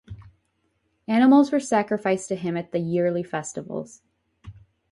Animals were sacrificed to him at the yearly festivals.